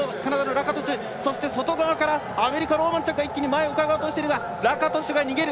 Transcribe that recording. そして外側からアメリカローマンチャックを一気に前をうかがおうとしているがラカトシュが逃げる！